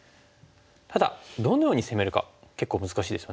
ただどのように攻めるか結構難しいですよね。